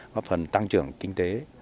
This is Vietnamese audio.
góp phần tăng trưởng kinh tế